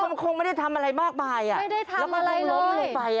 เขาคงไม่ได้ทำอะไรมากไปแล้วก็ลงลงไปลงไป